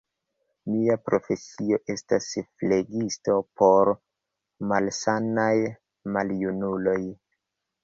Mia profesio estas flegisto por malsanaj maljunuloj.